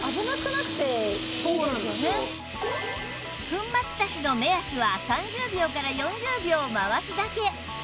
粉末だしの目安は３０秒から４０秒回すだけ